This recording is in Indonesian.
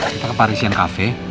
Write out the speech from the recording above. kita ke parisian cafe